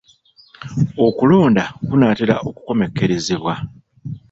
Okulonda kunaatera okukomekkerezebwa.